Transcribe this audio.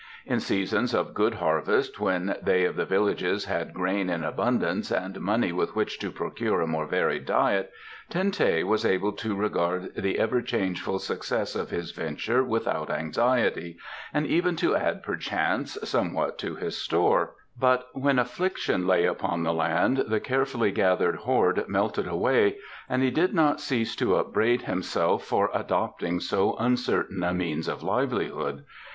In seasons of good harvest, when they of the villages had grain in abundance and money with which to procure a more varied diet, Ten teh was able to regard the ever changeful success of his venture without anxiety, and even to add perchance somewhat to his store; but when affliction lay upon the land the carefully gathered hoard melted away and he did not cease to upbraid himself for adopting so uncertain a means of livelihood.